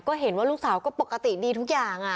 ก็เห็นว่าลูกสาวก็ปกติดีทุกอย่าง